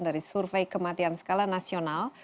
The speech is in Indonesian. dari survei kematian skala nasional